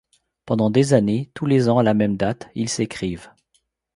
Pendant des années, tous les ans à la même date, ils s’écrivent.